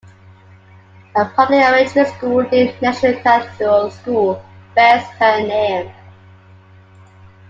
A public elementary school near the National Cathedral School bears her name.